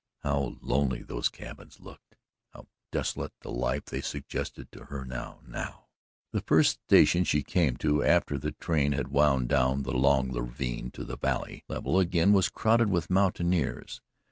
How lonely those cabins looked and how desolate the life they suggested to her now NOW! The first station she came to after the train had wound down the long ravine to the valley level again was crowded with mountaineers.